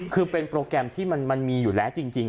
คือเป็นโปรแกรมที่มันมีอยู่แล้วจริง